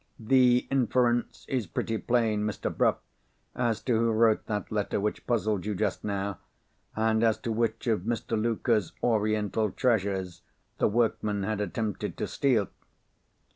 The inference is pretty plain, Mr. Bruff, as to who wrote that letter which puzzled you just now, and as to which of Mr. Luker's Oriental treasures the workman had attempted to steal."